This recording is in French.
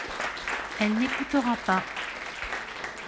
Elle n'écoutera pas.